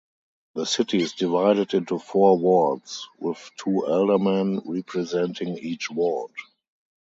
The city is divided into four wards, with two aldermen representing each ward.